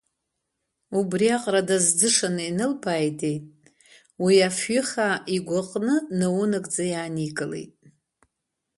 Убриаҟара дазӡышаны инылбааидеит, уи афҩыхаа игәы аҟны наунагӡа иааникылеит.